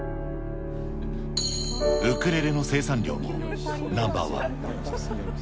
ウクレレの生産量もナンバーワン。